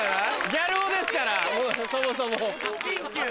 ギャル男ですからそもそも。